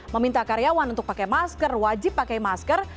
meminta karyawan untuk pakai masker wajib pakai masker